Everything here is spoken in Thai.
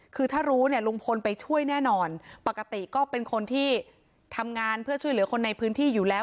คือถ้ารู้เนี่ยลุงพลไปช่วยแน่นอนปกติก็เป็นคนที่ทำงานเพื่อช่วยเหลือคนในพื้นที่อยู่แล้ว